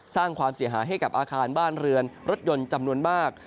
สร้างความเสียหายให้กับอาคารบ้านเรือนรถยนต์จำนวนมาก